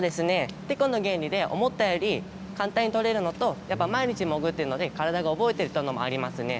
てこの原理で思ったより簡単に取れるのと、やっぱ毎日潜っているので、体が覚えてるというのもありますね。